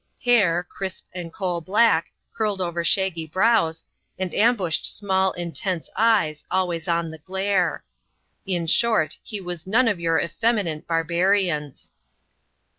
Hair, crisp, and coal black, curled over shaggy brows, and ambushed small, intense eyes, always on the glare. In short, he was none of your effeminate barbarians.